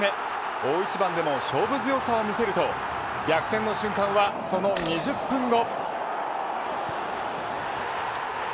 大一番でも勝負強さを見せると逆転の瞬間はその２０分後。